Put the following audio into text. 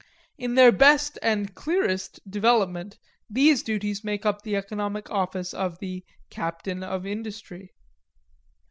In their best and clearest development these duties make up the economic office of the "captain of industry."